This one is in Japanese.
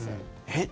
えっ？